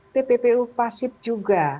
pppu pasif juga